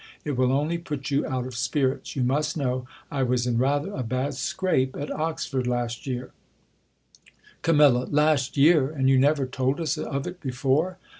It will only put you out of spirits. You must know I w^as in rather a bad scrape at Oxford last year Cam, Last year ! and you never told us of it before